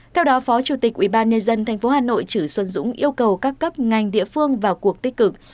theo đó phó chủ tịch ubnd tp hà nội chử xuân dũng yêu cầu các cấp ngành địa phương vào cuộc tích cực